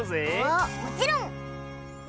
おっもちろん！